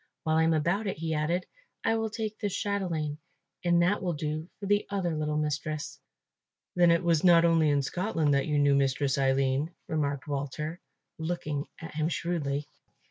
While I am about it," he added, "I will take this chatelaine, and that will do for the other little mistress." "Then it was not only in Scotland that you knew Mistress Aline," remarked Walter, looking at him shrewdly.